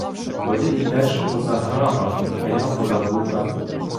Бо ти ідеш поза граба, а я поза бука.